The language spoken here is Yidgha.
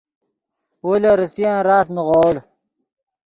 وو لے ریسیان راست نیغوڑ